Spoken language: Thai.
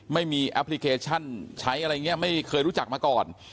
ไม่มีแอปพลิเคชันใช้อะไรอย่างนี้ไม่เคยรู้จักมาก่อน